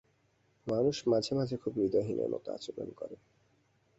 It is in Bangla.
মানুষ মাঝেমাঝে খুব হৃদয়হীনের মতো আচরণ করে।